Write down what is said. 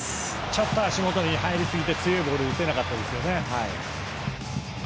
ちょっと足元に入りすぎて強いボールを打てなかったですね。